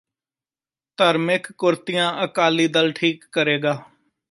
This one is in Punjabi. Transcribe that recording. ਧਰਮਕਿ ਕੁਰਤੀਆਂ ਅਕਾਲੀ ਦਲ ਠੀਕ ਕਰੇਗਾ